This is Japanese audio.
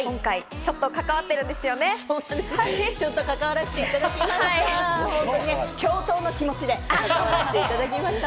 ちょっと関わらせていただきました。